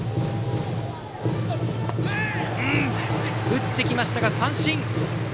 打ってきましたが、三振。